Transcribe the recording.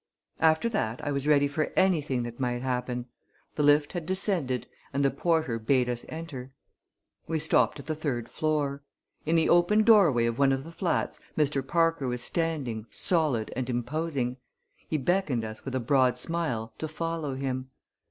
After that I was ready for anything that might happen. The lift had descended and the porter bade us enter. We stopped at the third floor. In the open doorway of one of the flats Mr. Parker was standing, solid and imposing. He beckoned us, with a broad smile, to follow him.